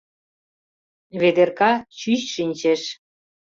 Ведерка чӱч шинчеш.